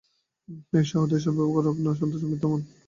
হে সহৃদয় বন্ধু, সর্বপ্রকারে আপনার সন্তোষ বিধান করতে ন্যায়ত আমি বাধ্য।